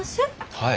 はい。